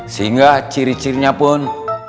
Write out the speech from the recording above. sehingga ciri cirinya pun